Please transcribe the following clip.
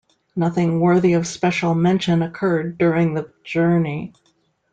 Nothing worthy of special mention occurred during the journey.